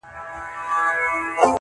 بيا کرار ،کرار د بت و خواته گوري.